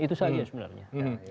itu saja sebenarnya